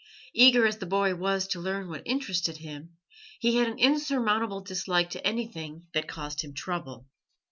Eager as the boy was to learn what interested him, he had an insurmountable dislike to anything that caused him trouble.